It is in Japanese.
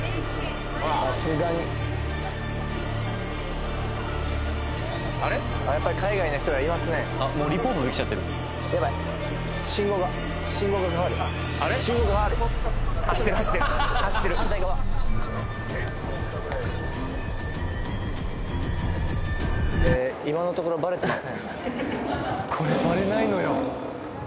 さすがにやっぱり海外の人がいますねあっもうリポートできちゃってるやばい信号が信号が変わる信号が変わる走ってる走ってる走ってるこれバレないのよ